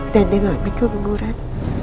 dan dia gak mikir keguguran